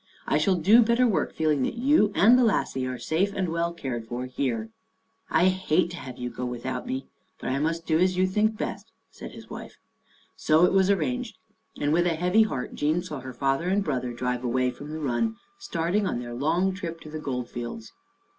I shall do better work feeling that you and the lassie are safe and well cared for here." Life at Djerinallum 49 " I hate to have you go without me, but I must do as you think best," said his wife. So it was arranged, and with a heavy heart Jean saw her father and brother drive away from the run, starting on their long trip to the Gold Fields.